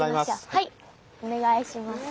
はいお願いします。